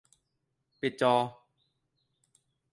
ปิดจอ